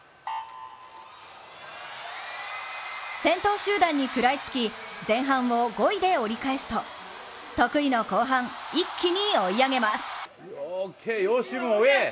先頭集団に食らいつき、前半を５位で折り返すと、得意の後半、一気に追い上げます。